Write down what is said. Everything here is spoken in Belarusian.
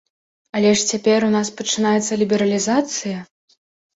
Але ж цяпер у нас пачынаецца лібералізацыя?